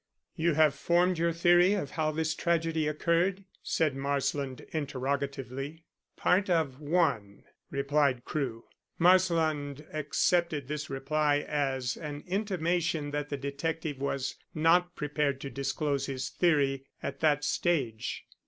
"You have formed your theory of how this tragedy occurred?" said Marsland interrogatively. "Part of one," replied Crewe. Marsland accepted this reply as an intimation that the detective was not prepared to disclose his theory at that stage.